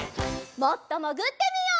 もっともぐってみよう。